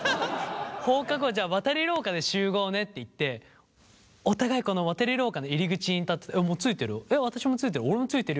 放課後はじゃあ渡り廊下で集合ねって言ってお互いこの渡り廊下の入り口に立ってて「もう着いてるよ」